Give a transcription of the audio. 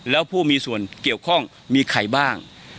แล้วผู้มีส่วนเกี่ยวข้องมีใครบ้าง